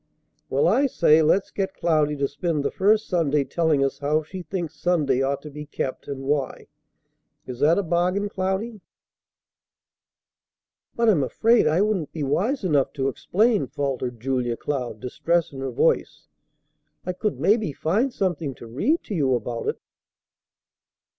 "Well, I say, let's get Cloudy to spend the first Sunday telling us how she thinks Sunday ought to be kept, and why. Is that a bargain, Cloudy?" "But I'm afraid I wouldn't be wise enough to explain," faltered Julia Cloud, distress in her voice. "I could maybe find something to read to you about it."